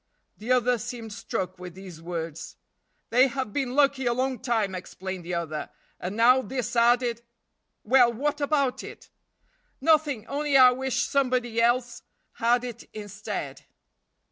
The other seemed struck with these words. "They have been lucky a long time," explained the other, "and now this added " "Well, what about it?" "Nothing! only I wish somebody else had it instead."